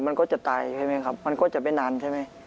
มันก็จะตายใช่ไหมครับมันก็จะไม่นานใช่ไหม